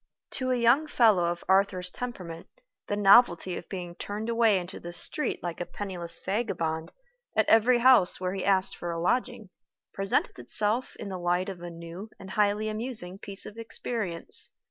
To a young fellow of Arthur's temperament, the novelty of being turned away into the street like a penniless vagabond, at every house where he asked for a lodging, presented itself in the light of a new and highly amusing piece of experience.